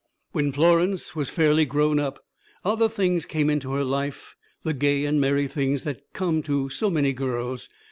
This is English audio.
When Florence was fairly "grown up," other things came into her life, the gay and merry things that come to so many girls.